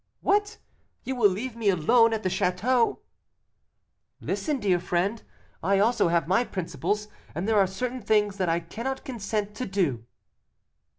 "What, you will leave me alone at the château!" "Listen, dear friend; I also have my principles, and there are certain things that I cannot consent to do."